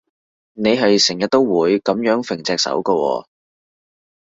你係成日都會噉樣揈隻手㗎喎